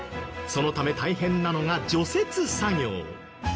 そのため大変なのが除雪作業。